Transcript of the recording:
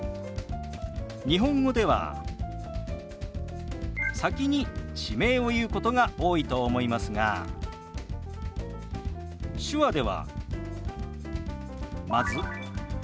日本語では先に地名を言うことが多いと思いますが手話ではまず「生まれ」。